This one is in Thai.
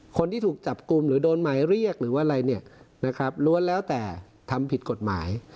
คนที่ถูกจับกลุ่มหรือโดนหมายเรียกหรือว่าอะไรเนี่ยนะครับล้วนแล้วแต่ทำผิดกฎหมาย